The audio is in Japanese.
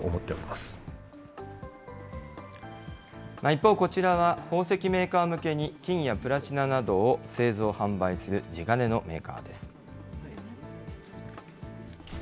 一方、こちらは宝石メーカー向けに金やプラチナなどを製造・販売する地金のメーカーです。